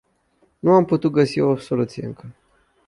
Nu am putut găsi o soluție încă.